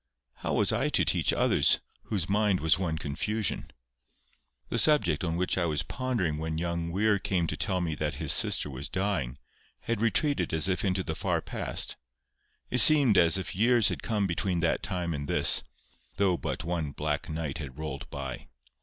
How was I to teach others, whose mind was one confusion? The subject on which I was pondering when young Weir came to tell me his sister was dying, had retreated as if into the far past; it seemed as if years had come between that time and this, though but one black night had rolled by.